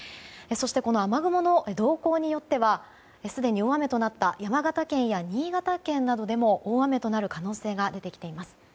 この雨雲の動向によってはすでに大雨となった山形県や新潟県などでも大雨となる可能性が出てきています。